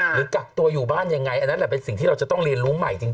กักตัวอยู่บ้านยังไงอันนั้นแหละเป็นสิ่งที่เราจะต้องเรียนรู้ใหม่จริง